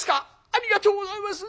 ありがとうございます！